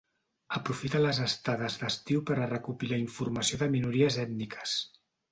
Aprofita les estades d'estiu per a recopilar informació de minories ètniques.